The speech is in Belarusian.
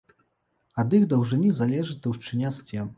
Ад іх даўжыні залежыць таўшчыня сцен.